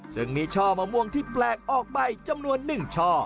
ซึ่งมีช่อมะม่วงที่แปลกออกไปจำนวน๑ช่อ